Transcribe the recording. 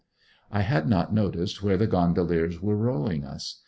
I had not noticed where the gondoliers were rowing us.